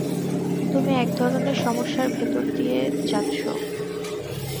তুমি একধরনের সমস্যার ভেতর দিয়ে যােচ্ছ।